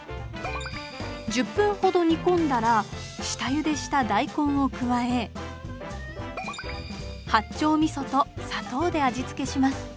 １０分ほど煮込んだら下ゆでした大根を加え八丁みそと砂糖で味付けします。